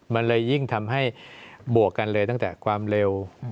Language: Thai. มันเลยยิ่งทำให้บวกกันเลยตั้งแต่ความเร็ว